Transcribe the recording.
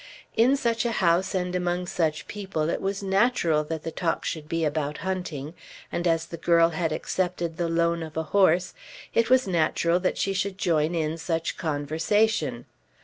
In such a house and among such people it was natural that the talk should be about hunting, and as the girl had accepted the loan of a horse it was natural that she should join in such conversation.